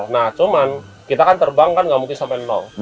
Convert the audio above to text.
nah cuman kita kan terbang kan nggak mungkin sampai nol